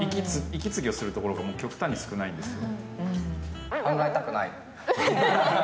息継ぎをするところが極端に少ないんですよ。